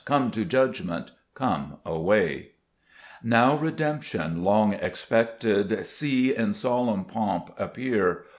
Come to judgment, come away ! 4 Xow Redemption, long expected, See in solemn pomp appear